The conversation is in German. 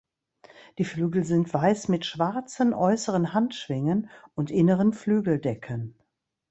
Die Flügel sind weiß mit schwarzen äußeren Handschwingen und inneren Flügeldecken.